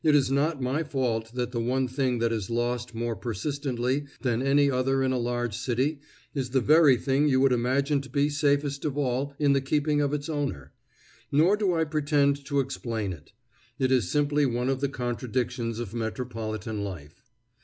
It is not my fault that the one thing that is lost more persistently than any other in a large city is the very thing you would imagine to be safest of all in the keeping of its owner. Nor do I pretend to explain it. It is simply one of the contradictions of metropolitan life.